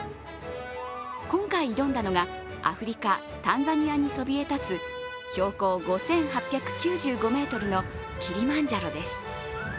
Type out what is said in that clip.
今回挑んだのがアメリカ・タンザニアにそびえ立つ標高５８９５ｍのキリマンジャロです。